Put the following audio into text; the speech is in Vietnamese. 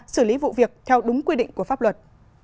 xử lý vụ việc theo đúng quy định của pháp luật